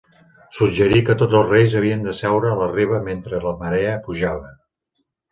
Suggerí que tots els reis havien de seure a la riba mentre la marea pujava.